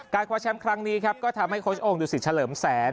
คว้าแชมป์ครั้งนี้ครับก็ทำให้โค้ชโอ่งดูสิตเฉลิมแสน